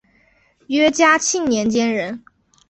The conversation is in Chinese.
约嘉庆年间人。